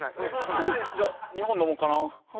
一人でじゃあ２本飲もっかな。